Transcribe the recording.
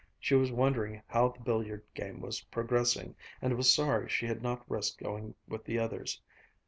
She was wondering how the billiard game was progressing, and was sorry she had not risked going with the others.